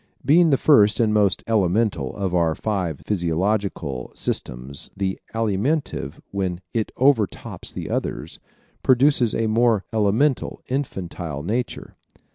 Being the first and most elemental of our five physiological systems the Alimentive when it overtops the others produces a more elemental, infantile nature.